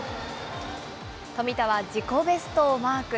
富田は自己ベストをマーク。